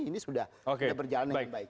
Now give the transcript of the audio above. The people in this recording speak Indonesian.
ini sudah berjalan dengan baik